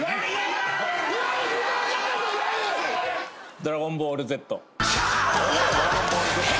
『ドラゴンボールＺ』